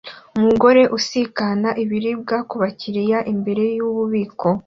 Umugore usikana ibiribwa kubakiriya imbere yububiko